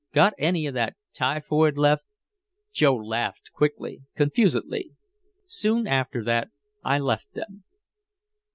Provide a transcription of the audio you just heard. "Got any of that typhoid left?" Joe laughed quickly, confusedly. Soon after that I left them.